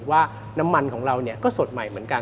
ว่าน้ำมันของเราก็สดใหม่เหมือนกัน